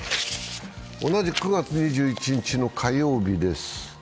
同じ９月２１日の火曜日です。